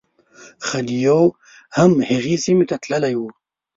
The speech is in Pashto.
خدیو هم هغې سیمې ته تللی و.